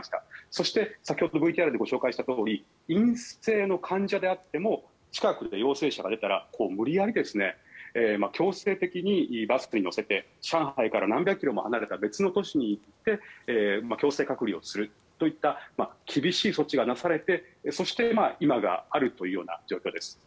そして、先ほどＶＴＲでご紹介したとおり陰性の患者であっても近くで陽性者が出たら無理やり強制的にバスに乗せて上海から何百キロも離れた別の都市に行って強制隔離をするといった厳しい措置がなされてそして今があるというような状況です。